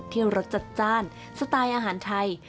รสจัดจ้านสไตล์อาหารไทย